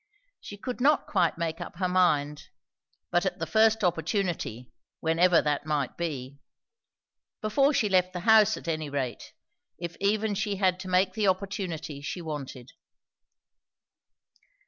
She could not quite make up her mind; but at the first opportunity, whenever that might be. Before she left the house at any rate, if even she had to make the opportunity she wanted.